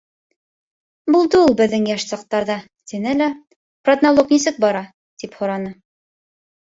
— Булды ул беҙҙең йәш саҡтарҙа, — тине лә, — продналог нисек бара? — тип һораны.